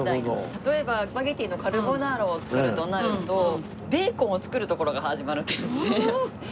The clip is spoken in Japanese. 例えばスパゲティのカルボナーラを作るとなるとベーコンを作るところから始まるんです。